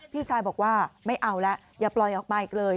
พี่ซายบอกว่าไม่เอาแล้วอย่าปล่อยออกมาอีกเลย